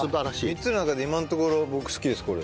３つの中で今のところ僕好きですこれ。